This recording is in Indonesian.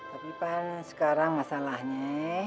tapi kan sekarang masalahnya